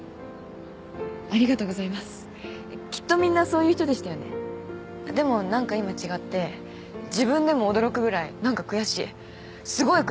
ありがとうございますきっとみんなそういう人でしたよねでもなんか今違って自分でも驚くぐらいなんか悔しいすごい悔しい！